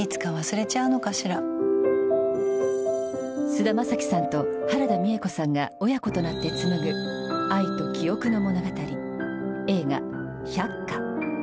菅田将暉さんと原田美枝子さんが親子となって紡ぐ愛と記憶の物語映画「百花」。